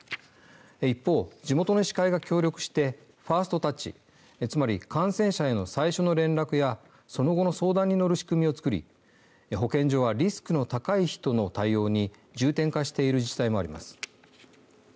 一方、地元の医師会が協力してファーストタッチつまり、感染者への最初の連絡やその後の相談に乗る仕組みを作り保健所はリスクの高い人の対応に重点化している自治体もあります。